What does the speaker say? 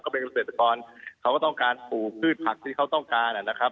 เป็นเกษตรกรเขาก็ต้องการปลูกพืชผักที่เขาต้องการนะครับ